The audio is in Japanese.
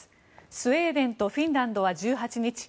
スウェーデンとフィンランドは１８日